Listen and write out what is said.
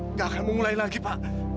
nggak akan mau mulai lagi pak